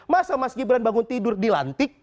masa mas gibran bangun tidur dilantik